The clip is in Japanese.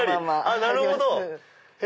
なるほど！